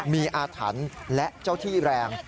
มีอาถรรพ์และเจ้าที่แรง